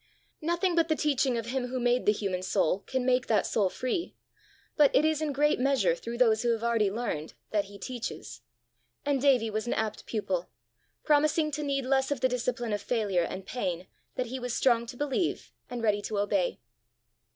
Nothing but the teaching of him who made the human soul can make that soul free, but it is in great measure through those who have already learned that he teaches; and Davie was an apt pupil, promising to need less of the discipline of failure and pain that he was strong to believe, and ready to obey.